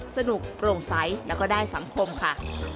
สนุกโล่งใสแล้วก็ได้สัมคมค่ะ